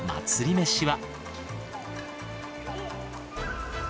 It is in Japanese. めしは。